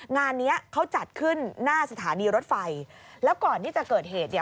งานเนี้ยเขาจัดขึ้นหน้าสถานีรถไฟแล้วก่อนที่จะเกิดเหตุเนี่ย